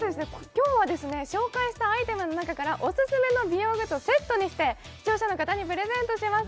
今日はですね紹介したアイテムの中からおすすめの美容グッズをセットにして視聴者の方にプレゼントします